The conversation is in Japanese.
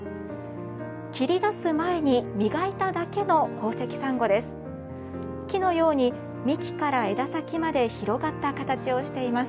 切り出す前に磨いただけの宝石サンゴです。